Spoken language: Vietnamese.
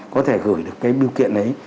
có thể gửi được cái bưu kiện đấy